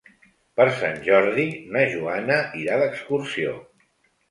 Per Sant Jordi na Joana irà d'excursió.